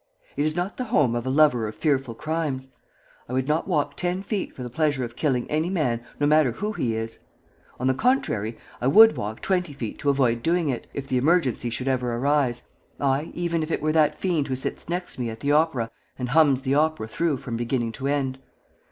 It is not the home of a lover of fearful crimes. I would not walk ten feet for the pleasure of killing any man, no matter who he is. On the contrary, I would walk twenty feet to avoid doing it, if the emergency should ever arise, aye, even if it were that fiend who sits next me at the opera and hums the opera through from beginning to end.